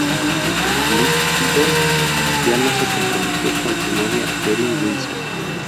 Liddell ya no se comprometió con su novia Erin Wilson.